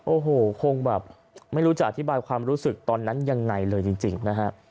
โอ้โหคงแบบไม่รู้จะอธิบายความรู้สึกตอนนั้นยังไงเลยจริงนะฮะ